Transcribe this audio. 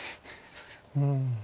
うん。